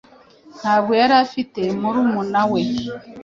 Ntabwo yari afite murumuna we